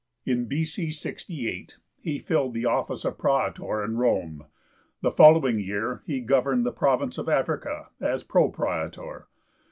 In B.C. 68 he filled the office of Praetor in Rome; the following year he governed the province of Africa as Propraetor.